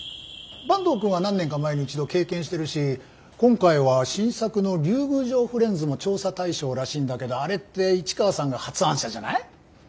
坂東くんは何年か前に一度経験してるし今回は新作の竜宮城フレンズも調査対象らしいんだけどあれって市川さんが発案者じゃない？